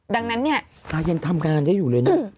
ดังนั้นเนี่ยตายเย็นทำการจะอยู่เลยเนี่ย